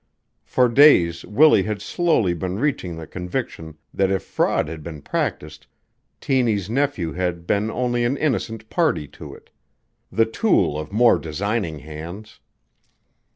For days Willie had slowly been reaching the conviction that if fraud had been practised Tiny's nephew had been only an innocent party to it the tool of more designing hands.